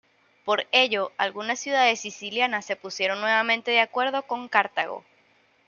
Por ello algunas ciudades sicilianas se pusieron nuevamente de acuerdo con Cartago.